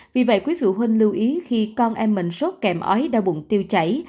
vì vậy quý phụ huynh lưu ý khi con em mình sốt kèm ói đau bụng tiêu chảy